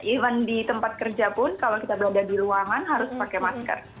even di tempat kerja pun kalau kita berada di ruangan harus pakai masker